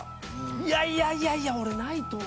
いやいやいやいや俺ないと思う。